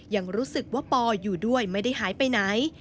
ยังรู้สึกว่าปออยู่ด้วยไม่ได้หายไปไหน